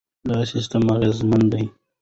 دا سیستم اغېزمن دی.